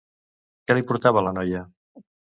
Què li portava la noia?